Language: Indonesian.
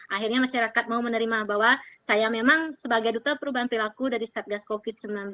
akhirnya masyarakat mau menerima bahwa saya memang sebagai duta perubahan perilaku dari satgas covid sembilan belas